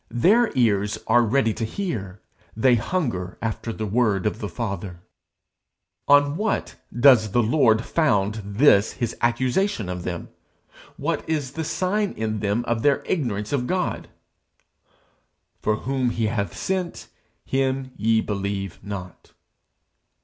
Their ears are ready to hear; they hunger after the word of the Father_.' On what does the Lord found this his accusation of them? What is the sign in them of their ignorance of God? For whom he hath sent, him ye believe not.'